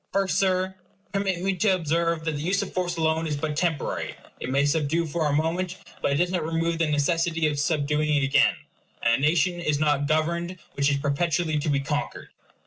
First, Sir, permit me to observe that the use of force alone is but temporary. It may subdue for a moment, but it does not remove the necessity of subduing again; and a nation is not governed which is perpetually to be conquered.